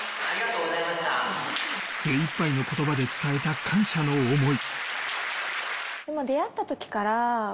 精いっぱいの言葉で伝えた感謝の想い。